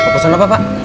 pusul apa pak